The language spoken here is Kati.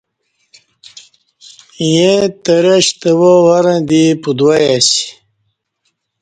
ییں ترہ شتوا ورں دی پتوای اسی